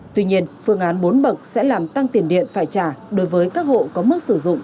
tuy nhiên phương án bốn bậc sẽ làm tăng tiền điện phải trả đối với các hộ có mức sử dụng